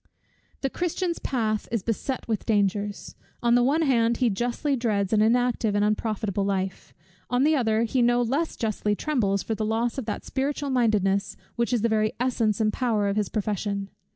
The Christian's path is beset with dangers On the one hand, he justly dreads an inactive and unprofitable life; on the other, he no less justly trembles for the loss of that spiritual mindedness, which is the very essence and power of his profession.